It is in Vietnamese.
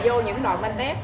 vô những đòn bánh tét